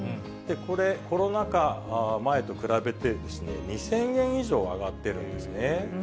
これ、コロナ禍前と比べて２０００円以上上がってるんですね。